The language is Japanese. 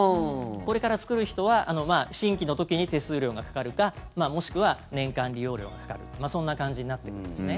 これから作る人は新規の時に手数料がかかるかもしくは年間利用料がかかるそんな感じになってきますね。